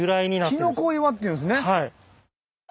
きのこ岩っていうんですね。